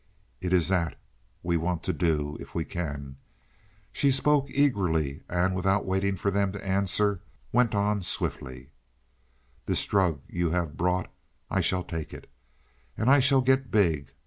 It is that we want to do, if we can." She spoke eagerly, and without waiting for them to answer, went swiftly on. "This drug that you have brought, I shall take it. And I shall get big.